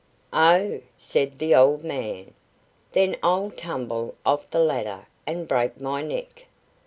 "Oh!" said the old man, "then I'll tumble off the ladder and break my neck."